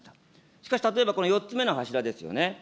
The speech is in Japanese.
しかし、例えばこの４つ目の柱ですよね。